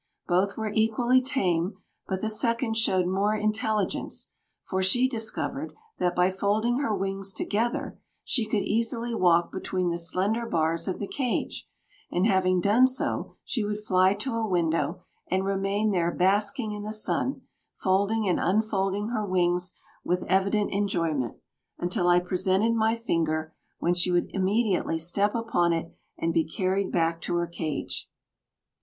Both were equally tame, but the second showed more intelligence, for she discovered that by folding her wings together she could easily walk between the slender bars of the cage; and having done so she would fly to a window, and remain there basking in the sun, folding and unfolding her wings with evident enjoyment, until I presented my finger, when she would immediately step upon it and be carried back to her cage.